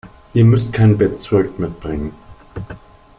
Ihr müsst kein Bettzeug mitbringen.